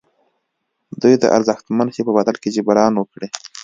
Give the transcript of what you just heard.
دوی د ارزښتمن شي په بدل کې جبران وکړي.